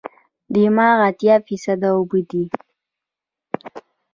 دماغ اتیا فیصده اوبه دي.